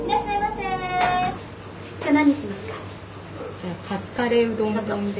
じゃあカツカレーうどん丼で。